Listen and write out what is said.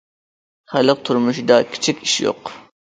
خەلق تۇرمۇشىدا كىچىك ئىش يوق.